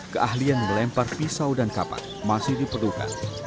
keahlian melempar pisau dan kapal masih diperlukan